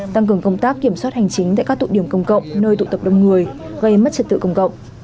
tăng cường công tác kiểm soát hành chính tại các tụ điểm công cộng nơi tụ tập đông người gây mất trật tự công cộng